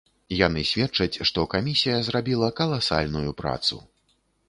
Яны сведчаць, што камісія зрабіла каласальную працу.